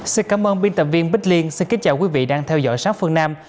xin cảm ơn biên tập viên bích liên xin kính chào quý vị đang theo dõi sát phương nam